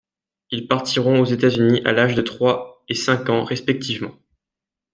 Ils partiront aux États-Unis à l'âge de trois et cinq ans respectivement.